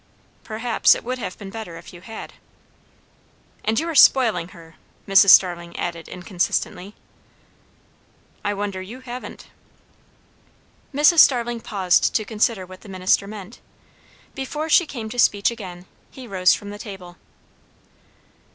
"Perhaps it would have been better if you had." "And you are spoiling her," Mrs. Starling added inconsistently. "I wonder you haven't." Mrs. Starling paused to consider what the minister meant. Before she came to speech again, he rose from the table.